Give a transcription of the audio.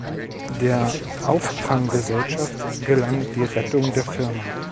Der Auffanggesellschaft gelang die Rettung der Firma.